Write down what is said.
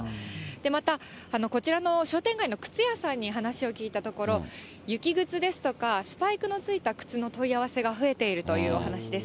また、こちらの商店街の靴屋さんに話を聞いたところ、雪靴ですとか、スパイクのついた靴の問い合わせが増えているというお話です。